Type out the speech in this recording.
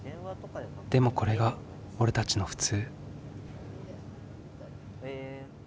でもこれが俺たちの普通。